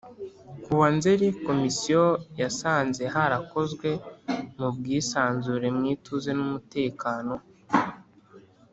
Ku wa nzeri komisiyo yasanze yarakozwe mu bwisanzure mu ituze n umutekano